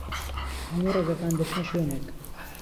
هەموو ڕێگاکان دەچنە شوێنێک.